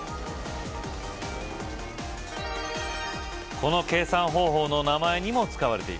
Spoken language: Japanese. この計算方法の名前にも使われています